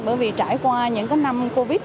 bởi vì trải qua những năm covid